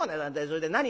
それで何？